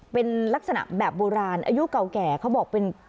เป็นลักษณะแบบโบราณอายุเก่าแก่เขาบอกเป็น